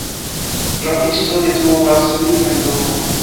Rabisto detruas nian domon!